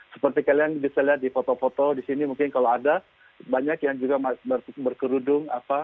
seperti kalian bisa lihat di foto foto di sini mungkin kalau ada banyak yang juga berkerudung